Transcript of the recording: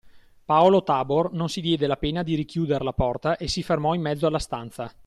Paolo Tabor non si diede la pena di richiuder la porta e si fermò in mezzo alla stanza.